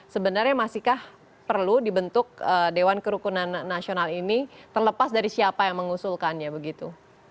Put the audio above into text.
sebenarnya masihkah perlu dibentuk dewan kerukunan nasional ini terlepas dari siapa yang mengusulkannya begitu